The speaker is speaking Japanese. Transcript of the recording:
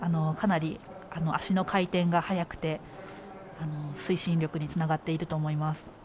かなり、足の回転が速くて推進力につながっていると思います。